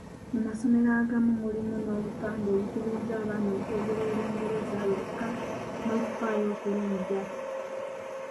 Mu masomero agamu mulimu n'obupande obukubiriza abaana okwogera Olungereza lwokka n'okufaayo okuluyiga.